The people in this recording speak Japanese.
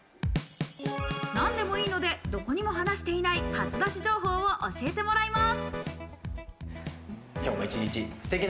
何でもいいので、どこにも話していない、初出し情報を教えてもらいます。